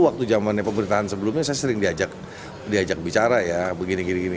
waktu zamannya pemerintahan sebelumnya saya sering diajak bicara ya begini gini